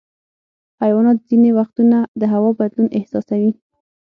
حیوانات ځینې وختونه د هوا بدلون احساسوي.